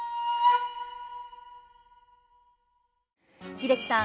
英樹さん